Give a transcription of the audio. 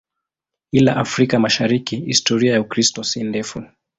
Ila Afrika Mashariki historia ya Ukristo si ndefu.